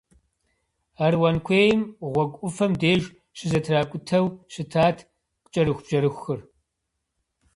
Аруан куейм гъуэгу ӏуфэм деж щызэтракӏутэу щытат кӏэрыхубжьэрыхур.